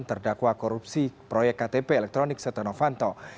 terdakwa korupsi proyek ktp elektronik setia novanto